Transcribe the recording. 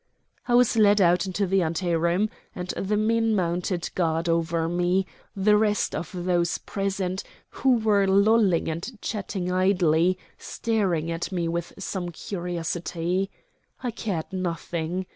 I was led out into the ante room, and the men mounted guard over me, the rest of those present, who were lolling and chatting idly, staring at me with some curiosity. I cared nothing.